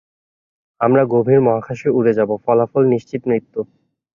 আমরা গভীর মহাকাশে উড়ে যাবো, ফলাফল, নিশ্চিত মৃত্যু।